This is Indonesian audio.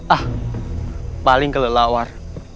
ah paling kelelawar